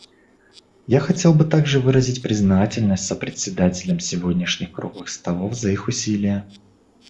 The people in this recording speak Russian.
Я хотел бы также выразить признательность сопредседателям сегодняшних «круглых столов» за их усилия.